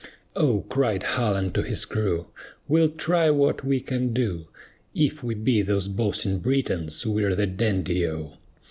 "O," cried Hull unto his crew, "We'll try what we can do; If we beat those boasting Britons we're the dandy O."